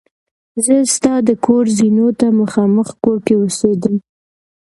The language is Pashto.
زه ستا د کور زینو ته مخامخ کور کې اوسېدم.